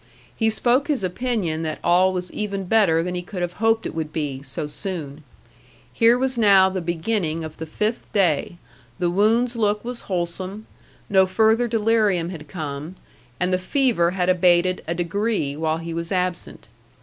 He spoke his opinion that all was even better than he could have hoped it would be, so soon. Here was now the beginning of the fifth day; the wound's look was wholesome, no further delirium had come, and the fever had abated a degree while he was absent.